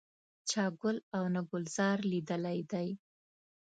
چا ګل او نه ګلزار لیدلی دی.